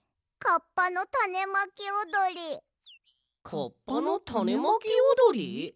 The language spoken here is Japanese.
「カッパのタネまきおどり」？